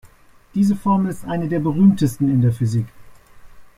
Diese Formel ist eine der berühmtesten in der Physik.